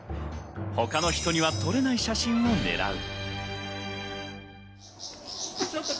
他の人には撮れない写真を狙う。